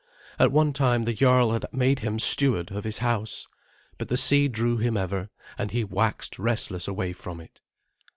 At one time the jarl had made him steward of his house; but the sea drew him ever, and he waxed restless away from it.